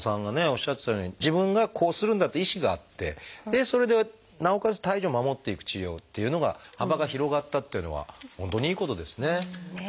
おっしゃってたように自分がこうするんだという意志があってそれでなおかつ胎児を守っていく治療っていうのが幅が広がったっていうのは本当にいいことですね。